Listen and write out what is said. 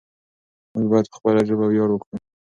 موږ بايد په خپله ژبه وياړ وکړو.